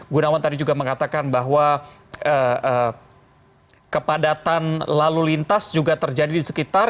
gunawan tadi juga mengatakan bahwa kepadatan lalu lintas juga terjadi di sekitar